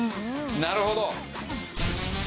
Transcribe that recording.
なるほど！